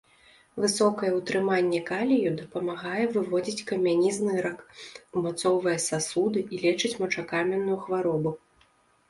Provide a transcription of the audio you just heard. Высокае ўтрыманне калію дапамагае выводзіць камяні з нырак, умацоўвае сасуды і лечыць мочакаменную хваробу.